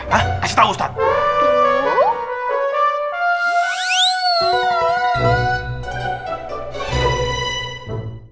hah kasih tau ustaz